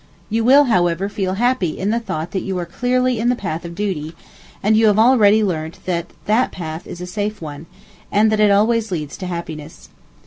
You will, however, feel happy in the thought that you are clearly in the path of duty; and you have already learnt that that path is a safe one, and that it always leads to happiness.